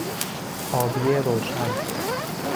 آبی روشن